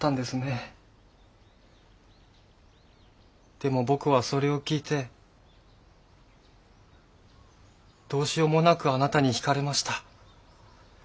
でも僕はそれを聞いてどうしようもなくあなたに引かれました。